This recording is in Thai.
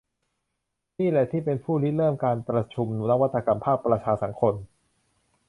นี่แหละที่เป็นผู้ริเริ่มการประชุมนวัตกรรมภาคประชาสังคม